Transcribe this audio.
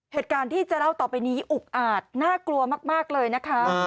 เหตุการณ์ที่จะเล่าต่อไปนี้อุกอาจน่ากลัวมากเลยนะคะ